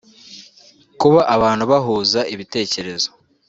kuba abantu bahuza ibitekerezo